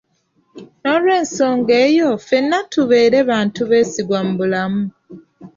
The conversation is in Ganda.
N’olw’ensonga eyo, ffena tubeere bantu beesigwa mu bulamu.